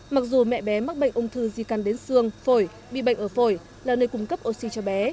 mặc dù mẹ bé mắc bệnh ung thư di căn đến xương phổi bị bệnh ở phổi là nơi cung cấp oxy cho bé